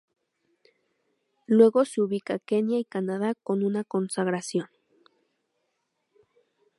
Luego se ubica Kenia y Canadá con una consagración.